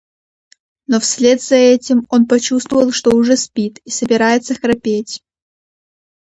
Но вслед за этим он почувствовал, что уже спит и собирается храпеть.